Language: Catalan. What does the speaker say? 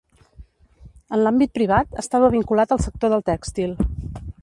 En l'àmbit privat estava vinculat al sector del tèxtil.